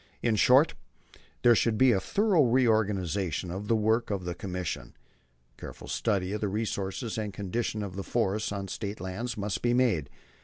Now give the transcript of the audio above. In short, there should be a thorough reorganization of the work of the Commission. A careful study of the resources and condition of the forests on State land must be made.